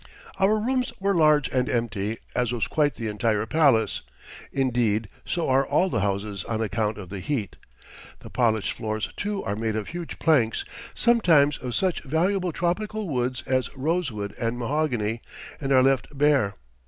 Our rooms were large and empty, as was the entire palace indeed, so are all the houses on account of the heat. The polished floors, too, are made of huge planks, sometimes of such valuable tropical woods as rosewood and mahogany, and are left bare.